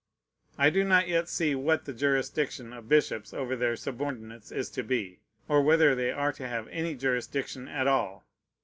I do not yet see what the jurisdiction of bishops over their subordinates is to be, or whether they are to have any jurisdiction at all.